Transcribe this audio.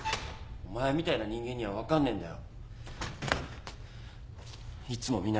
お前みたいな人間には分かんねえんだよ！